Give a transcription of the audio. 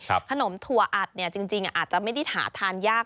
ขนมถั่วอัดเนี่ยจริงอาจจะไม่ได้หาทานยาก